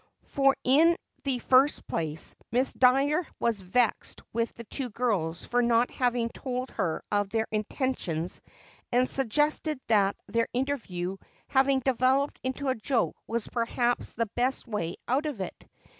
For in the first place Miss Dyer was vexed with the two girls for not having told her of their intentions and suggested that their interview having developed into a joke was perhaps the best way out of it.